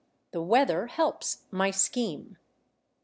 THE WEATHER HELPS MY SCHEME.